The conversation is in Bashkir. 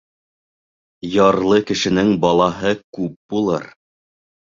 Ярлы кешенең балаһы күп булыр.